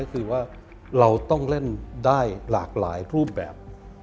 ก็คือว่าเราต้องเล่นได้หลากหลายรูปแบบ